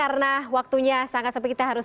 karena waktunya sangat sempat kita harus